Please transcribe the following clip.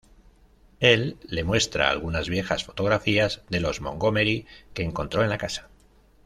Él le muestra algunas viejas fotografías de los Montgomery que encontró en la casa.